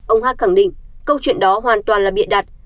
ông h h khẳng định câu chuyện đó hoàn toàn là bịa đặt